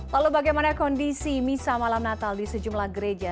lalu bagaimana kondisi misa malam natal di sejumlah gereja